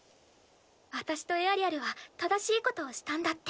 私とエアリアルは正しいことをしたんだって。